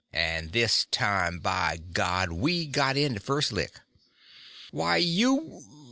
And this time, by God, we got in the first lick!" "Why you